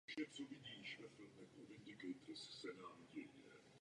V Česku žije sedm druhů ve třech rodech.